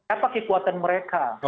apa kekuatan mereka